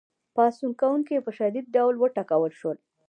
پاڅون کوونکي په شدید ډول وټکول شول.